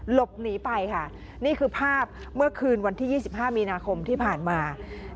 หลบหนีไปค่ะนี่คือภาพเมื่อคืนวันที่๒๕มีนาคมที่ผ่านมา